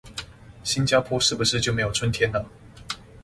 新加坡是不是就沒有春天了